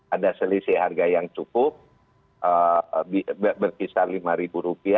ada selisih harga yang cukup berkisar rp lima